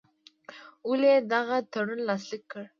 ولي یې دغه تړون لاسلیک کړ.